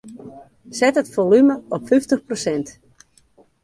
Set it folume op fyftich persint.